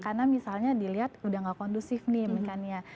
karena misalnya dilihat sudah tidak kondusif nih